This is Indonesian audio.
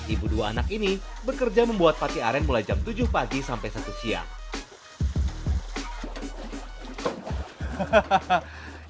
ibu dua anak ini bekerja membuat pate aren mulai jam tujuh pagi sampai satu siang